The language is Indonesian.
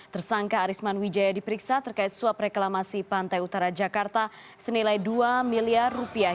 tersangka arisman wijaya diperiksa terkait suap reklamasi pantai utara jakarta senilai dua miliar rupiah